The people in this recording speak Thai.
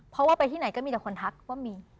เพราะว่าไปที่ไหนก็มีแต่คนทักว่ามี